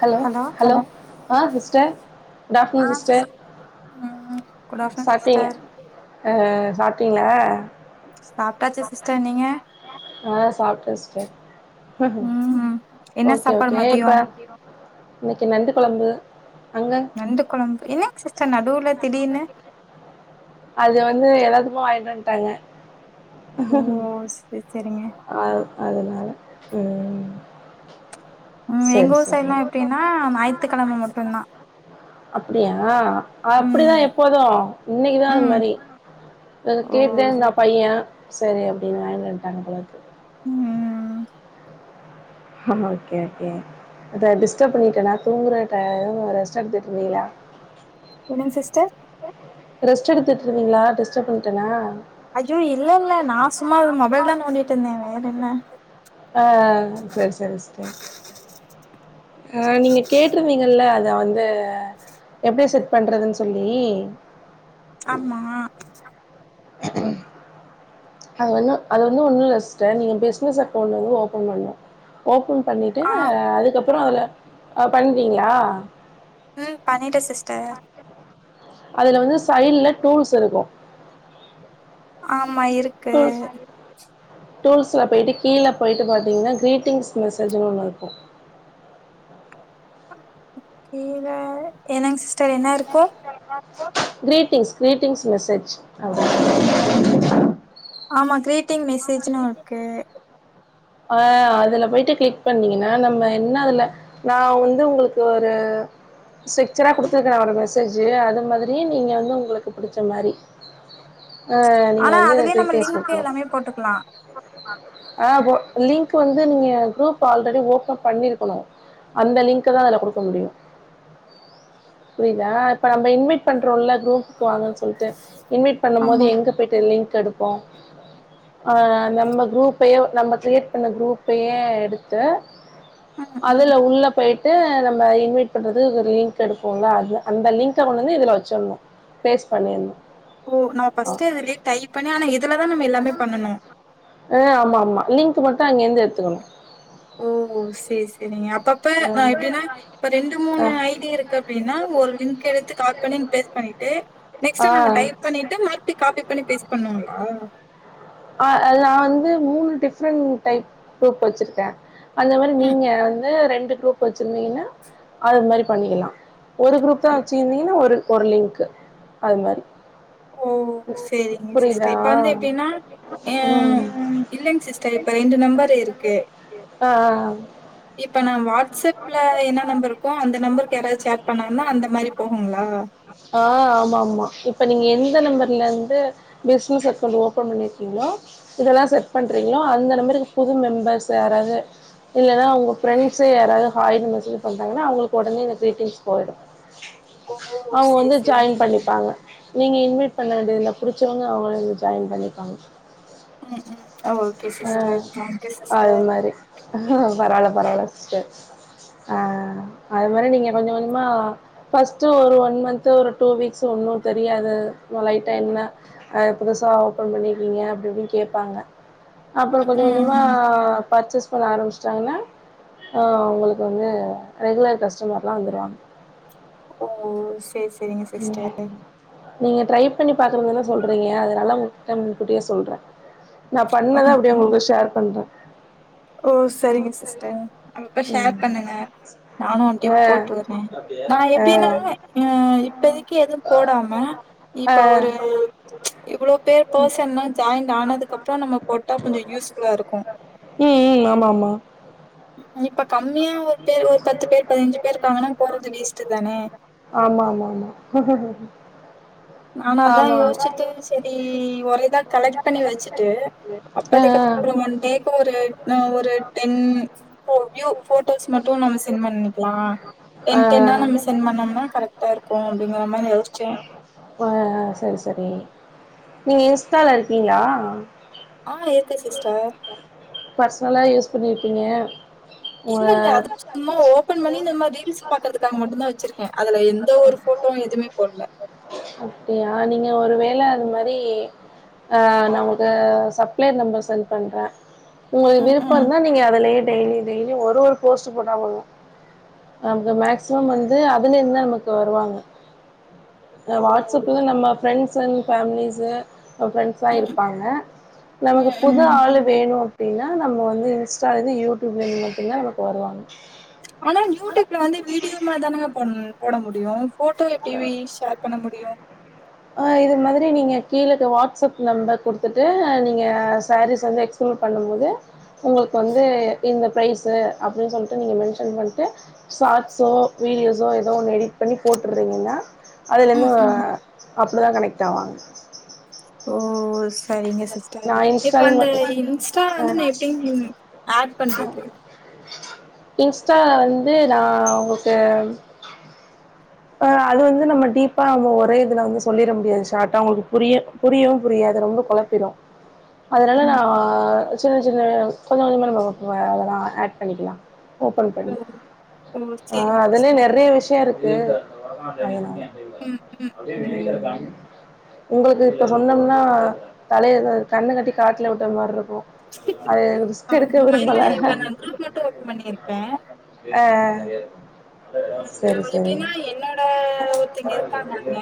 Hello hello ஆ sister good ஆ afternoon sis sister ம் குட் ஆஃப்டர்நூன் சாப்ட்டீங்க சிஸ்டர் அ சாப்ட்டிங்களா சாப்ட்டாச்சு சிஸ்டர் நீங்க ஆ சாப்டே சிஸ்டர் ம் என்ன ஓகே சாப்பாடு ஓகே மதியோ இப்ப இன்னிக்கு நண்டு கொழம்பு அங்க நண்டு கொழம்பு என்னங்க சிஸ்டர் நடுவுல திடீர்னு அது வந்து எல்லாத்துக்கூ வாங்கிட்டு வந்ட்டாங்க செர் செரிங்க அ அதூனால ம் ம் எங்க செர் ஊர் சேரி சைட்லா எப்டின்னா ஞாயித்துக்கெழம மட்டுந்தா அப்பிடியா அப்படிதா ம் எப்போதூ இன்னிகிதா அந்த ம் மாரி அத ஓ கேட்டுனெ இருந்தா பையன் சரி அப்டின் வாங்கினு வட்டாங்க போல இருக்குது ம் ஓகே ஓகே அத டிஸ்டர்ப் பண்ணிட்டேன்னா தூங்குகிற டைம் வேற ரெஸ்ட் எடுத்துருக்கிங்கல என்னங் சிஸ்டர் ரெஸ்ட் எடுத்துட்டு இருந்தீங்களா டிஸ்டப் பண்டோனா ஐயோ இல்ல இல்ல நா சும்மா மொபைல நோண்டிட்டு இருந்தே வேற என்ன ஆ சேர் செரி செரி அ நீங்க கேட்டிருந்தீங்கல்ல அத வந்து எப்படி செட் பண்றதுன்னு சொல்லி ஆமா அது வந்து அது வந்து ஒன்னூ இல்ல சிஸ்டர் நீங்க பிஸ்னஸ் அக்கௌண்ட் வந்து ஓப்பன் பண்ணோ ஓப்பன் பண்ணிட்டு ஆ அதுக்கப்றோ அதுல அ பண்வீங்ளா ம் பண்ணீட்ட சிஸ்டர் அதுல வந்து சைட்ல டூல்ஸ் இருக்கு ஆமா இருக் டூல்ஸ் மாரி டூல்ஸ்ல போயிட்டு கீழ போய்ட்டு பாத்தீங்கனா கிரீட்டிங்ஸ் மெசேஜுனு ஓன்னு இருக்கு கீழ என்னங் சிஸ்டர் என்ன இருக்கு கிரீட்டிங்ஸ் கிரீட்டிங்ஸ் மெசேஜ் [inaudible] ஆமா கிரீட்டிங் மெசேஜ்ன்னு இருக்கு அ அதுல போயிட்டு கிளிக் பண்ணீங்கன்னா நம்ம என்ன அதுல நா வந்து உங்களுக்கு ஒரு ஸ்டிக்சரா குடுத்துருக்கேனா ஒரு மெசேஜு அது மாதிரியே நீங்க வந்து உங்களுக்கு புடுச்ச மாரி அ நீங்க ஆனா வந்து அதுலயே நம்ம கிரீட்டிங்ஸ் லிங்க் வெக்கணு எல்லாமே போட்டுக்கலா அ ஒ லின்க் வந்து நீங்க குரூப் ஆல்ரெடி ஓபன் பண்ணிருக்கணு அந்த லின்க்தா அதுல குடுக்க முடியு புரியிதா இப்ப நம்ம இன்வைட் பண்றோல குரூப்புக் வாங்கன் சொல்ட்டு இன்வைட் பண்ணும் ஆமா போது எங்க போய்ட்டு லின்க் எடுப்போ அ நம்ம குரூப்பையே நம்ம கிரியேட் பண்ண குரூப்பையே எடுத் து ம் ம் அதுல உள்ள போய் ட்டு நம்ம இன்வைட் பண்றது ஒரு லின்க் எடுப்போல அது அந்த லின்க கொண்டு வந்து இதுல வெச்சிர்ணு பேஸ்ட் பண்ணிர்னு ஓ நா ஃபஸ்டே இதுலயே டைப் பண்ணி ஆனா இதுலதா நம்ம எல்லாமே பண்ணனு அ ஆமாமா லின்க் மட்டு அங்கய்ருந்து எடுத்துக்கணு ஓ சேர் செரிங்க அப்பப் [unintelligible] இப்ப ரெண்டு ஆ மூணு ஐ டி இருக்கு அப்டின்னா ஒரு லின்க் எடுத்து காபி பண்ணி பேஸ்ட் பண்ணிட்டு ஆ நெக்ஸ்ட் நம்ம டைப் பண்ணிட்டு மறுபடி காப்பி பண்ணி பேஸ் பண்ணுங்ளா அ அது நா வந்து மூணு டிஃபரண்ட் டைப் சூப் வெச்சிருக்கே அந்த மாரி ம் நீங்க வந்து ரெண்டு குரூப் வெச்சிருந்திங்கனா அது மாரி பண்ணிக்கலா ஒரு குரூப்த்தா வெச்சிருந்தீங்கன்னா ஒரு ஒரு லிங்க்கு அது மாரி ஓ செரிங்க சிஸ்டர் இப்ப வந்து எப்டின்னா எ ம் இல்லைங் சிஸ்டர் இப்ப ரெண்டு நெம்பர் இருக்கு ஆம் [inaudible] இப்ப நான் வாட்ஸ்அப்ல என்ன நம்பர் இருக்கோ அந்த நம்பருக்கு யாராவது சேட் பண்ணாங்கன்னா அந்த மாரி போகுங்களா? அ ஆமாமா இப்ப நீங்க எந்த நம்பர்லருந்து பிசினஸ் அக்கொன்ட் ஒ பன் பண்ணிருக்கீங்ளோ இதெல்லா செட் பண்றீங்களோ அந்த நம்பர்க்கு புது மெம்பர்ஸ் யாராது இல்லைன்னா உங்க ஃரெண்ட்ஸ் யாராது ஹாய்னு மெசேஜ் பாண்றாங்கனா அவுங்களுக்கு ஒடனே இந்த கிரீட்டிங்ஸ் போய்டு ஓ! அவுங்க சரி, வந்து சரிங்க ஜாயின் சிஸ்டர். பண்ணிப்பாங்க நீங்க இன்வைட் பண்ண வேண்டியதில்ல புடிச்சவங்க அவுங்களே வந்து ஜாய்ன் பண்ணிப்பாங்க ம் ம் ஓகே சிஸ்டர் தேங்க்யூ சிஸ்டர் செரி பரவால்ல பரவால்ல சிஸ்டர் அ அது மாரி நீங்க கொஞ்ச கொஞ்சமா ஃபர்ஸ்ட் ஒரு ஒன் மன்த் ஒரு ட்உ வீக்ஸ் ஒன்னு தெரியாது லைட்டா என்ன அது புதுசா ஓபன் பண்ணிருக்கீங்க அப்டி இப்டின்னு கேப்பாங்க அப்றோ ம், கொஞ்ச ம். கொஞ்சமா ம். பர்ச் சேஸ் பண்ண ஆரம்பிச்சிட்டாங்கனா அ உங்களுக்கு வந்து ரெகுலர் கஸ்டமர்ல வந்துடுவாங்க ஓ செர் செரி ம் நீங்க ட்ரை பண்ணி பாக்குறன் தானே சொல்றீங்க அதனால உங்கள்ட முன்கூட்டியே சொல்றே நா பண்ணத ம், அப்டியே உங்களுக்கு ஷேர் பண்றேன் ஒ செரிங்க சிஸ்டர் அப்பப்ப ஷேர் ம் பண்ணுங்க நானும் அப்டியே ஆ போட்டுவிட்ரே நா எப்டின்னா அ இப்பதைக்கு எதும் போடாம ஆ இப்ப ஒரு இவ்ளோ பேர் பர்சன்லா ஜாயிண்ட் ஆனாதுக்கப்பறோ நம்ம போட்டா கொஞ்சோ யூஸ் ஃபுல்லா இருக்கும் ம் ம் ஆமா ஆமா இப்ப கம்மியா ஒரு பேரு ஒரு பத்து பேரு பதினெஞ்சி பேரு இருக்காங்கனா போறது வோஸ்ட்டு தானே ஆமா மா மா நானு அதா யோஷ்சிட்டு செரி ஒரே இதா கலெக்ட் பண்ணி வெச்சிட்டு ஆமா ஆ அப்பதிகப்றோ ஒன் டேக்கு ஒரு டேன் வ்யூ போட்டோஸ் மட்டுன் நம்ம சென்ட் பண்ணிக்கல ஆ ஆ டென் டென்னா நம்ம செண்ட் பண்ணம்னா கரக்ட்டா இருக்குன் அப்டிங்கர மாறி யோஷ்சோ ஆ செரி செரி நீங்க இன்ஸ்டால இருக்கீங்களா ஆன் இருக்கேன் சிஸ்டர் பர்ஸ்னலா யூஸ் பண்ணிருப்பிங்க இல்ல இல்ல அது சும்மா ஒப்பன் பண்ணி இந்த மாரி ரீல்ஸ் பாக்கறத்துக்காக மட்டு தா வெச்சிருக்கு அதுல எந்த ஒரு போட்டோவும் எதுமே போடுல அப்டியா நீங்க ஒரு வேள அது மாறி அ நா உங்ளுக்கு சப்ளையர் நம்பர் சென்ட் பண்றேன் உங்களுக்கு ம் விருப்பன் ம் இருந்தா நீங்க அதாலியே டைலி டெய்லி ஒரு ஒரு போஸ்ட் போட்டா போதும் அந்த மேக்சிமம் வந்து அதுல இருந்து நமக்கு வருவாங்க இந்த ஓ வாட்ஸ் அப்ல நம்ப ஃப்ரெண்ட்ஸ் அண்ட் ஃபேமிலிஸு அப் சா ம் இருப்பாங்க நமக்கு ம் புது ம் ஆளு வேணும் அப்டின்னா நம்ம வந்து இன்ஸ்டாலந்து யூட்யூப்லயும் மட்டுதா நமக் வருவாங்க ஆனா யூடியூப்ல வந்து வீடியோ மார் தானேங்க போம் போட முடியும் போட்டோ வி ஷேர் பண்ண முடியும் ஆ இது மாதிரி நீங்க கீழக்கு வாட்ஸ்அப் நம்பர் குடுத்துட்டு நீங்க சாரீஸ் வந்து எக் ப்ளோர் பண்ணுபோது உங்களுக் வந்து இந்த ப்ரைஸு அப்டின் சொல்டு நீங்க மென்ஷன் பண்டு சாட்ஸோ வீடியோஸோ ஏதோ ஒன்னு எடிட் பண்ணி போட்றீங்கன்னா அதுலயிந்து ம் ம் அப்டிதா கனெக்ட் ஆவாங்க ஓ செ சரிங்க சிஸ்டர் நா இப்ப இன்ஸ்டால் அந்த மட் இன்ஸ்டா ஆ வந்து நான் எப்டிங் ஆட் பண்றது இன்ஸ்டா வந்து நா உங்கக்கு அ அது வந்து நம்ம டீப்பா நம்ம ஒரே இதுல வந்து சொல்லிட முடியது ஷாட்ட அவங்களுக்கு புரிய புரியு புரியாது ரொம்ப கொழப்பிடு அதனால நா ம் சின்ன சின்ன கொஞ்சம் கொஞ்சமாக நம்ம அதெல்லா ஆட் பண்ணிக்கலா ஓபன் ஓ பண்ணி ஓ ஆன் சேரிங்க அதுலயே சிஸ்டர் நெறைய விஷயம் இருக்கு [inaudible] கே ஆஸ்படடல் அப்டியே வெளில இருக்காங்க உங்களுக்கு இப்போ சொன்னோம்னா தலையில கண்ணு கட்டி காட்ல விட்ட மாரி இருக்கு அத ரிஸ்க் எடுக்க ஆமா இல்ல விரும்பல இப்ப நா குரூப் மட்டு ஓப்பன் பண்ணிருக்கே ஆ சரி சரி ஆ ஒருத்திங்க இருக்காங்க அங்க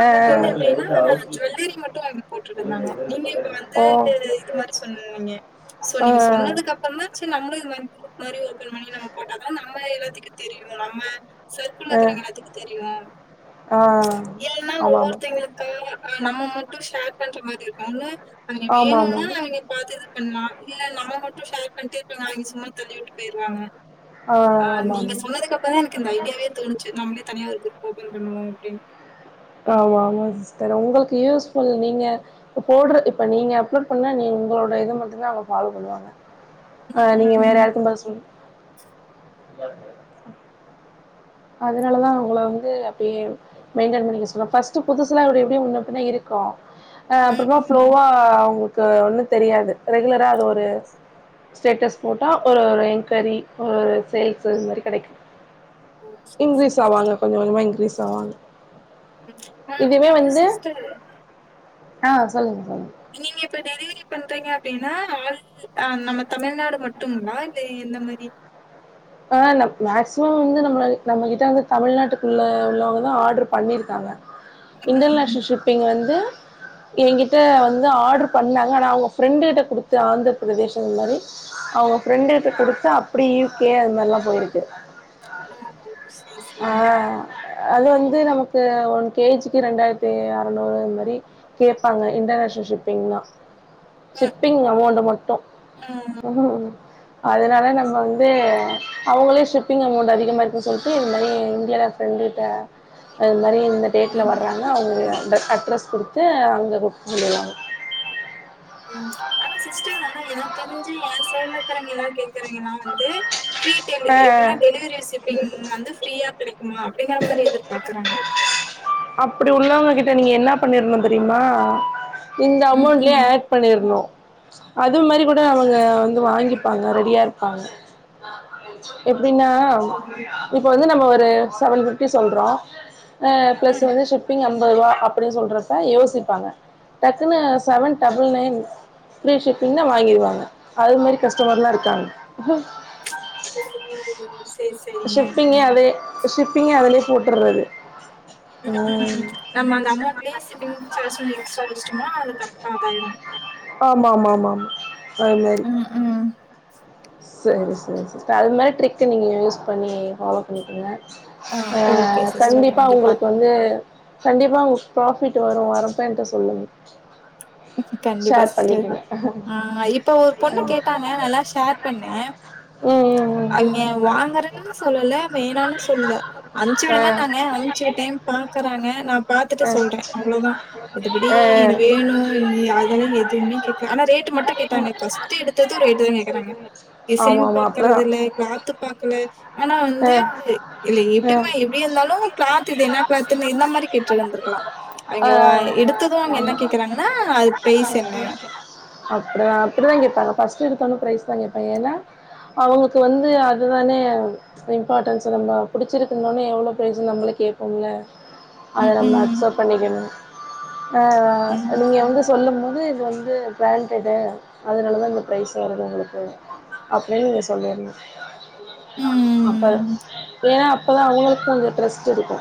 அங்கட்டுந்து எப்டின்னா ஜுவல்லரி மட்டும் போட்டுட்யிருந்தாங்க நீங்க இப்ப இதே ஓ இத இது மாரி சொன்னீங்க சோ ஆ நீங்க சொன்னதுக்கப் சொன்னாச்சி நம்ளு இது மாரி குரூப் மாரி ஓபன் பண்ணி நம்ம போட்டாதா நம்ம எல்லாத்துக்கு தெரியு நம்ம சர்குல ஆ இருக்குற எல்லாத்துக்கு தெரியு ஆ ஏன்னா ஆமாம் ஆமாம் ஒவ்வொருத்தைங்களு அ நம்ம மட்டும் ஷேர் பண்ற மாதி இருக்கும்ல்ல அவிங்க ஆமாம் வேணுணா ஆமாம் அவிங்க பாத்து இது பண்ணுவா இல்ல நம்ம மட்டு ஷேர் பண்டு [unintelligible] சும்மா தள்ளி விட்டு பேயிருவாங்க ஆ ஆமாம் நீங்க ஆமாம் சொன்னதுக்கு அப்றோ தா எனக்கு இந்த ஐடியாவே தோணுச்சு நம்ளே தனியா ஒரு குரூப் ஓபன் பண்ணுவோ அப்டின் ஆமா ஆமா சிஸ்டர் உங்களுக்கு யூஸ்ஃபுல் நீங்க இப் போட்றது இப்ப நீங்க அப்லோட் பண்ணா நீ உங்களோட இத மட்டுதா அவுங்க ஃபாலோ பண்ணுவாங்க ஆ நீங்க ம், வேற ம், யாருக்கும் பதில் சொல் அதனாலதா உங்கள வந்து அப்டியே மெயின்டன் பண்ணிக்க சொல்வாங் ஃபர்ஸ்ட்டு புதுசுலா அப்டி இப்டி முன்ன பின்ன இருக்கு ஆ ம், அப்றமா ம். ஸ்லோவா அவுங்களுக்கு ஒன்னும் தெரியாது ரெகுலரா அது ஒரு ஸ்டேட்டஸ் போட்டா ஒரு ஒரு என்கொயரி ஒரு சேல்ஸ் அந்த மாரி கெடைக்கும் ஓ! சரி, இன்க்ரீஸ் சரி ஆவாங்க சிஸ்டர். கொஞ்ச கொஞ்சமா இன்க்ரீஸ் ஆவாங்க ஆ இதுவே அப்பாவோட வந்து சிஸ்டர் ஆ சொல்லுங்க சொல்லுங்க நீங்க இப்ப டெலிவரி பண்றீங்க அப்டின்னா ஆள் ஆ நம்ம தமிழ்நாடு மட்டும்மா இல்ல எந்த மாரி ஆ நம் மேக்சிமம் வந்து நம்ம நம்ம கிட்ட வந்து தமிழ்நாட்டுக்குள்ள உள்ளவங்கதா ஆர்டரு பண்ணியிருக்காங்க ம். இன்டர்நேஷ்னல் ஷிப்பிங் வந்து என்கிட்ட வந்து ஆர்டரு பண்ணாங்க ஆனா அவுங்க ஃப்ரெண்டு கிட்ட குடுத்து ஆந்திரபிரதேஷ் அந்த மாரி அவுங்க ஃப்ரெண்டு கிட்ட குடுத்து அப்டி யூகே அதுமாரிலா போயிருக்கு ஓ ஓ செர் ஆ செரிங்க அது வந்து நமக்கு ஒன் கேஜிக்கு ரெண்டாயிரத்து அறநூறு அந்தமாரி கேப்பாங்க இன்டர்நேஷனல் ஷிப்பிங்னா ஷிப்பிங் அமௌண்டு மட்டும் ம், ம், அதனால நம்ம வந் து அவுங்களே ஷிப்பிங் அமௌண்ட் அதிகமா இருக்குன் சொல்ட்டு இந்தமாரி இந்தியால ஃப்ரெண்டு கிட்ட அதுமாரி இந்த டேட்ல ம், வர்றாங்க அவுங்க இந்த அட்ரஸ் குடுத்து அங்க புக் பண்ணிருவாங்க ஆ சிஸ்டர் ஆனா எனக்கு தெரிஞ்சி என் சைட்ல இருக்குற எல்லா கேக்குறாங்களா வந்து ஃப்ரீ ஆ டெலிவரி எப்டினா டெலிவரி சிப்பிங் வந்து ஃப்ரீயா கெடைக்குமா அப்டிங்கிற மாரி எதிர்பாக்குறாங்க அப்டி உள்ளவங்க கிட்ட நீங்க என்ன பண்ணிருக்கணும் தெரியுமா இந்த ம், அமௌண்ட்லயே ம். அட் பண்ணியிருக்கனும் அது மாரி கூட அவங்க வந்து வாங்கிப்பாங்க ரெடியா இருப்பாங்க எப்டின்னா ஓ! இப்போ வந்து நம்ம ஒரு செவன் ரூபீஸ் சொல்றோ அ பிளஸ் ம். வந்து ஷிப்பிங் அந் அம்பதுரூவா அப்டின் சொல்றப்ப யோசிப்பாங்க டக்குன்னு செவன் டபுள் நையன் ஃப்ரீ ஷிப்பிங்னா வாங்கிருவாங்க அது மாரி கஷ்டமர்லா இருக்காங்க ஓ! சரி, சரிங்க. ஷிப்பிங்கே அதே ஷிப்பிங்க அதுலே போட்டுறது ம் ம் ம் நம்ம அந்த அமௌண்ட்லே ஷிப்பிங் சார்ஜ் எக்ஸ்ட்ரா வெச்டோம்னா அது கரெக்டா அதாயிரு ஆமா ஆமா ஆமா ஆமா ஆ வந்து உம் உம் செரி செர் சிஸ்ட அதுமரி ட்ரிக்ஸ் நீங்க யூஸ் பண்ணி ஃபாலோ பண்ணிக்கங்க ஆ கண்டிப்பா உங்களுக்கு வந்து கண்டிப்பா உங் ப்ராஃபிட் வரு வரப்ப என்ட சொல்லுங்க கண்டிப்பா ஷேர் சிஸ்டர் பண்ணிக்கங்க ஆ இப்ப ஒரு பொண்ணு கேட்டாங்க நல்லா ஷேர் பண்ணே ம் ம் அவிங்க ம் வாங்குறேன்னு சொல்லல வேனானு சொல்ல அம்ச்சி ஆ விடுங்கனாங்க அம்ச்சி விட் டைம் பாக்குறாங்க நா பாத்துட்டு சொல்ற ஆ அவ்ளோதா மித்தபடி என ஆ வேணு ந்தி அதெல்லா எதுமே கேக்க ஆனா ரேட்டு மட்டு கேட்டாங்க ஃபஸ்ட் எடுத்தது ரேட்டு தா கேக்றாங்க ஆமா டிசைன் ஆமா அப்டிதா பாக்கர்து இல்ல கிளாத்து பாக்கல ஆனா வந்து ஆ இல்ல எப்டிமா எப்டி இந்தாலு கிளாத் இது இன்னா கிளாத்ன்னு இந்தமாரி கேட்ருந்துருந்துக்கலா ஆ ஆ அவிங்கோ எடுத்து அவ்ங்க என்ன கேக்குறாங் அப்டிதா அப்டிதா கேட்பாங்க ஃபஸ்ட்டு எடுத்தோன ஃபிரைஸ் தா கேட்பாயிங்க ஏன்னா அவுங்க்கு வந்து அதுதானே இம்பார்டன்ஸ்ச நம்ம பிடிச்சிருக்குனோனே எவ்ளோ ஃப்ரைஸ்னு நம்ம கேட்போம்ல அத ம், நம்ம ம், அக்சப்ட் பண்ணிக்கணு ஆ ம், நீங்க வந்து சொல்லும்மோது இது வந்து ஃபிராண்டடு அதுனால தா இந்த ப்ரைஸ் வருது உங்களுக்கு அப்டின்னு நீ சொல்லிருனு அப்ப ம். ஏன்னா அப்பதா அவுங்களுக்கு கொஞ்சோ டிரெஸ்ட்டு இருக்கு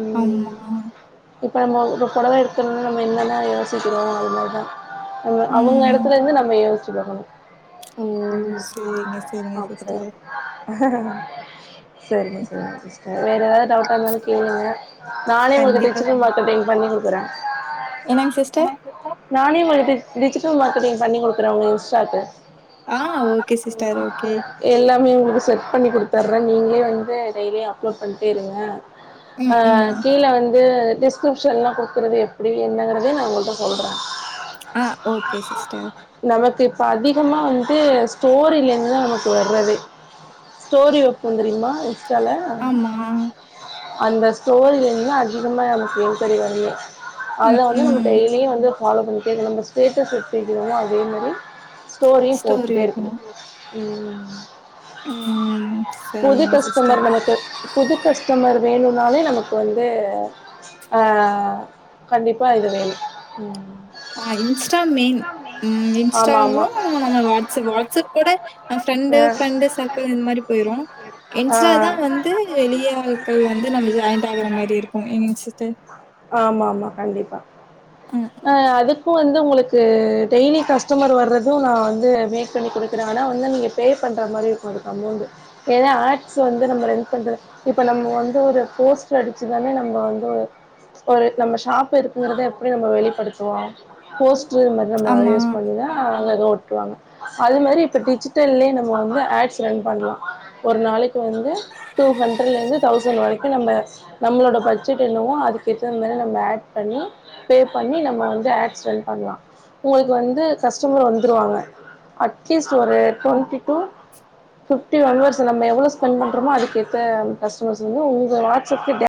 உம் ஆமா. இப்ப நம்ம ஒ புடவ எடுக்கணுன்னு நம்ம என்னன்னா யோ சிக்கிறோ அது மர்தா அவ்ங் அவங்க ம். எடத்துல இருந்து நம்ம யோசிச்சு பாக்கணு ஓ! உம் சரிங்க, சரிங்க சிஸ்டர். அப்டிதா செரிங்க சேர் சே வேற ஏதாது டவுட்டா இருந்தாலு கேளுங்க நானே ஒங்களுக்கு கண்டிப்பா. டேச்சிட்டி மார்க்கேட்டிங் பண்ணி குடுக்குறே என்னங்க சிஸ்டர் நானே ஒங்களுக்கு டிஜிட்டல் மார்கெட்டிங் பண்ணி குடுக்குறே உங்க இன்ஸ்டாக்கு ஆ ஓகே சிஸ்டர், ஓகே. எல்லாமே உங்களுக்கு செட் பண்ணி குடுத்தற நீங்களே வந்து டெய்லியு அப்லோட் பண்ணிட்டே இருங்க ஆ ம், ம். கீழ வந்து டிஸ்கிரிப்ஷன்ல்லா குடுக்குறது எப்டி என்னங்கறதே நா உங்களுக்கு சொல்றே ஆ ஓகே சிஸ்டர் நமக்கு இப்ப அதிகமா வந்து ஸ்டோரிலேந்து தா நமக்கு வர்றதே ஸ்டோரி வப்போ தெரியும்மா இன்ஸ்டால்ல ஆமா. அந்த ஸ்டோரிலா இருந்து அதிகமா நமக்கு என்கௌரி வருமே அத ம், வந்து நம்ளு ம். லியே வந்து ஃப்பாலோ பண்ணிட்டே இருந்த நம்ப ஸ்டேட்டஸ் எப்டி வெக்கிரோமோ அதே மாரி ஸ்டோரியு ஸ்டோரி போட்டே இருக்கணு வைக்கணும். உம் ம். புது சரிங்க சிஸ்டர். கஸ்டமர் நமக்கு புது கஸ்டமர் வேணுன்னாலே நமக்கு வந்து ஆ கண்டிப்பா இது வேணு உம் இன்ஸ்டா மெயின் உம் ஆமாம் இன்ஸ்டாவு ஆமாம் நம்ம வாட்ஸ்அப் வாட்ஸ்அபே கூட ஃப்ரெண்டு ஃப்ரெண்டு சர்க்கில் இந் மாரி போயிரு ஆ இன்ஸ்ட்டாதா வந்து வெளியாள்கள் வந்து நம்ம ஜாயின்ட் ஆகுற மாரி இருக்கு எங்ச்சுட்டு ஆமா ஆமா கண்டிப்பா ம் அ அதுக்கு வந்து உங்களுக்கு டெய்லி கஸ்டமர் வர்றது நா வந்து மேக் பண்ணி குடுக்குறே ஆனா வந்து நீங்க பே பண்ணுற மாரி இருக்கும் அதுக்கு அமௌண்டு் ஏனா ஆட்ஸ் வந்து நம்ம ரெடி பண்ற இப்ப நம்ம வந்து ஒரு போஸ்டர் அடிச்சுதானே நம்ப வந்து ஒரு நம்ம ஷாப் இருக்குங்கறதே எப்டி நம்ம வெளிப்படுத்துவோ போஸ்ட்டரு இது மாறி நம்ம ஆமா. யூஸ் பண்ணி தான் அந்த இத ஒட்டுவாங்க அது மாரி இப்ப டிஜிட்டல்லயே நம்ம வந்து ஆட்ஸ் ரன் பண்லா ஒரு நாளைக்கு வந்து டூ ஹண்டரட்ல இருந்து தௌசண்ட் வரைக்கு நம்ப நம்மளோட பட்ஜெட் என்னவோ அதுக்கு ஏத்த மாரி நம்ம ஆட் பண்ணி பே பண்ணி நம்ம வந்து ஆக்சான் பண்லா உங்களுக்கு வந்து கஸ்டமர் வந்துடுவாங்க அட்லீஸ்ட் ஒரு டு்வெண்ட்டி டூ ஃபீப்டி மெம்பெர்ஸ் நம்ப எவ்ளோ ஸ்பெண்ட் பண்றமோ அதுக்கேத்த கஸ்டமர்ஸ் வந்து உங்க வாட்ஸ் அப்க்கு டே